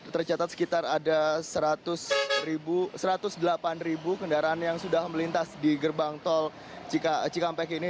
tercatat sekitar ada satu ratus delapan ribu kendaraan yang sudah melintas di gerbang tol cikampek ini